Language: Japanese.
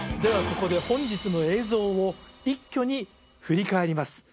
ここで本日の映像を一挙に振り返ります